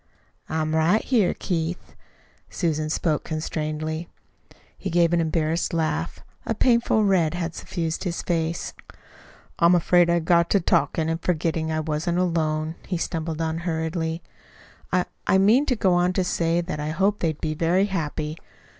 "I'm right here, Keith." Susan spoke constrainedly. He gave an embarrassed laugh. A painful red had suffused his face. "I'm afraid I got to talking and forgetting that I wasn't alone," he stumbled on hurriedly. "I I meant to go on to say that I hoped they'd be very happy.